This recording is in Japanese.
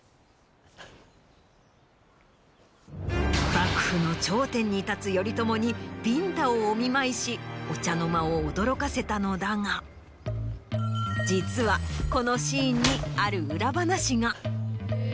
幕府の頂点に立つ頼朝にビンタをお見舞いしお茶の間を驚かせたのだが実はこのシーンにある裏話が。